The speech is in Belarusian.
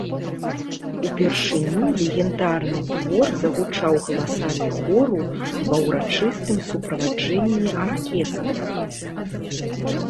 Упершыню легендарны твор загучаў галасамі хору ва ўрачыстым суправаджэнні аркестра.